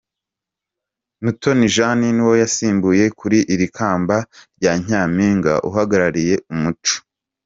Mutoni Jane nuwo yasimbuye kuri iri kamba rya Nyampinga uhagarariye umuco.